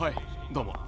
どうも。